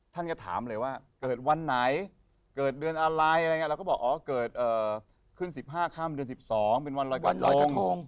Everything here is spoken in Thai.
ท่านก็ถามเลยว่าเกิดวันไหนเกิดเดือนอะไรอะไรอย่างนี้เราก็บอกอ๋อเกิดขึ้น๑๕ค่ำเดือน๑๒เป็นวันรอยก่อนลอยชั่วโมง